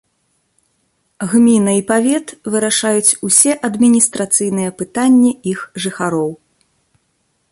Гміна і павет вырашаюць усе адміністрацыйныя пытанні іх жыхароў.